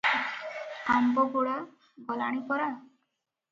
ଆମ୍ବଗୁଡ଼ା ଗଲାଣି ପରା ।